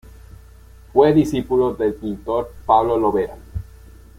Fue discípulo del pintor Pedro Lovera.